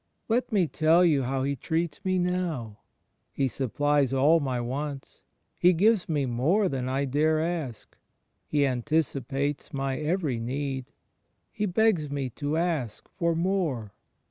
Let me tell you how he treats me now. He supplies all my wants. He gives me more than I dare asL He anticipates my every need. He begs me to ask for more.